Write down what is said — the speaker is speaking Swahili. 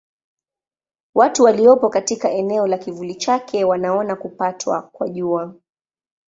Watu waliopo katika eneo la kivuli chake wanaona kupatwa kwa Jua.